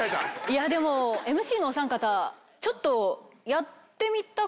いやでもＭＣのお三方ちょっと。